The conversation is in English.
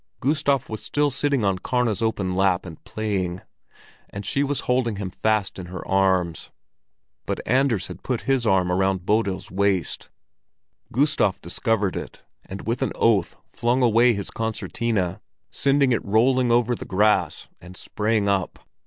Gustav was still sitting on Karna's open lap and playing, and she was holding him fast in her arms. But Anders had put his arm around Bodil's waist. Gustav discovered it, and with an oath flung away his concertina, sending it rolling over the grass, and sprang up.